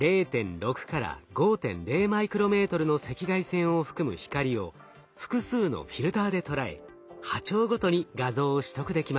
０．６５．０マイクロメートルの赤外線を含む光を複数のフィルターで捉え波長ごとに画像を取得できます。